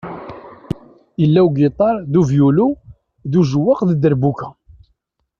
Yella ugiṭar d uvyulu, d ujawaq d dderbuka.